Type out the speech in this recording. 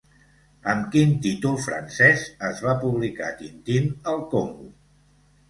Amb quin títol francès es va publicar Tintín al Congo?